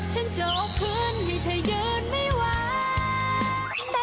ฉันจะเอาคืนให้เธอยืนไม่ไหว